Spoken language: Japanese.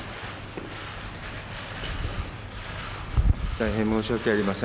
大変申し訳ありません。